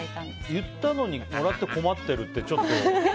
言ったのにもらって困ってるってちょっと。